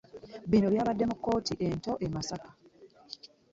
Bini byabadde mu Kooti ento e'masaka .